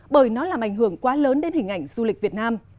bởi nó làm ảnh hưởng quá lớn đến hình ảnh du lịch việt nam